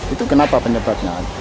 itu kenapa penyebabnya